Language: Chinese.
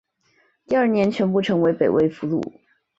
第二年全部成为北魏俘虏。